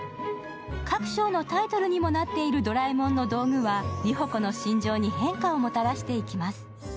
各章のタイトルにもなっているドラえもんの道具は理帆子の心情に変化をもたらしていきます。